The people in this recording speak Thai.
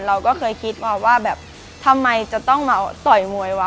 เราก็เคยคิดมาว่าแบบทำไมจะต้องมาต่อยมวยวะ